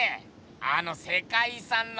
あの世界遺産の。